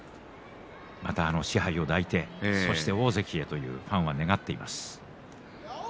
賜盃を抱いて、そして大関へとファンは願っています。